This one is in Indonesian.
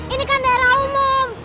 ini kan daerah umum